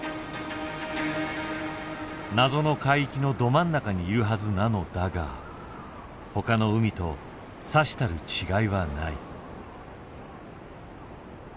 謎の海域のど真ん中にいるはずなのだがほかの海とさしたる違いはない。